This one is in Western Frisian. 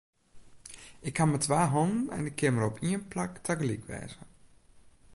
Ik haw mar twa hannen en ik kin mar op ien plak tagelyk wêze.